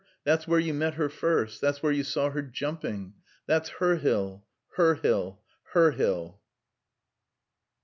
That's where you met her first. That's where you saw her jumping. That's her hill her hill her hill."